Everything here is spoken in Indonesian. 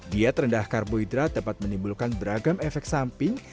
diet rendah karbohidrat dapat menimbulkan beragam efek samping